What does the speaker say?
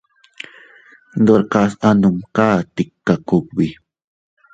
Ndorkas a numka tika kugbi.